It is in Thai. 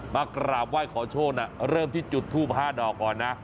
มากราบไหว้ขอโชคเริ่มที่จุดทูป๕ดอกก่อนนะ